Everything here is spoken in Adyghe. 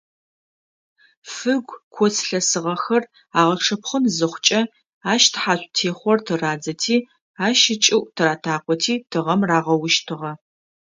Фыгу, коц лъэсыгъэхэр агъэчъэпхъын зыхъукӏэ, ащ тхьацу техъор тырадзэти ащ ыкӏыӏу тыратакъоти тыгъэм рагъэущтыгъэ.